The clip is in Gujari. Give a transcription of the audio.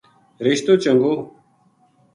رشتو چنگو